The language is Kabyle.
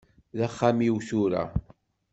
D axxam-iw tura.